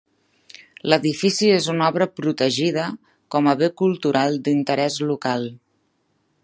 L'edifici és una obra protegida com a bé cultural d'interès local.